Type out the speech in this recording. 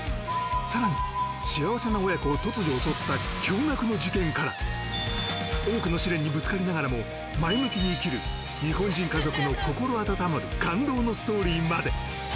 更に幸せな親子を突如襲った驚愕な事件から多くの試練にぶつかりながらも前向きに生きる日本人家族の心温まる感動のストーリーまで。